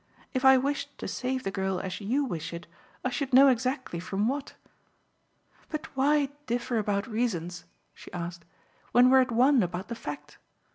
If I wished to save the girl as YOU wish it I should know exactly from what. But why differ about reasons," she asked, "when we're at one about the fact?